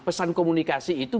pesan komunikasi itu